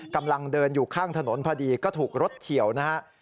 กำลังเดินอยู่ข้างถนนพอดีก็ถูกรถเฉียวนะฮะ